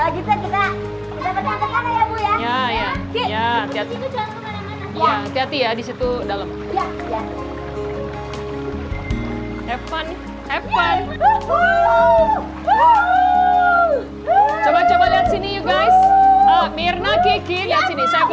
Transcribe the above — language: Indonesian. kalau gitu kita berangkat berangkat aja bu ya